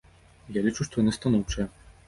Я лічу, што яны станоўчыя.